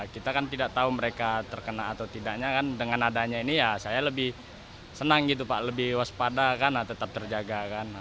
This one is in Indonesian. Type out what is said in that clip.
kita kan tidak tahu mereka terkena atau tidaknya dengan adanya ini saya lebih senang lebih waspada tetap terjaga